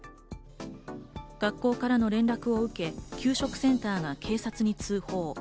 学校からの連絡を受け、給食センターが警察に通報。